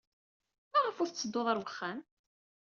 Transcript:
Maɣef ur tettedduḍ ɣer wexxam?